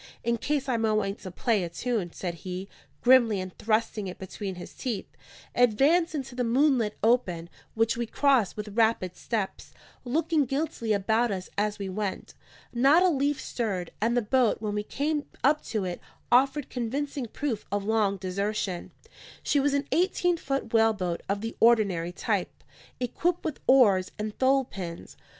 "In case I might want to play a tune," said he, grimly, and thrusting it between his teeth, advanced into the moonlit open; which we crossed with rapid steps, looking guiltily about us as we went. Not a leaf stirred; and the boat, when we came up to it, offered convincing proof of long desertion. She was an eighteen foot whaleboat of the ordinary type, equipped with oars and thole pins.